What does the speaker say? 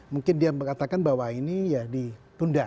mungkin dia mengatakan bahwa ini ya ditunda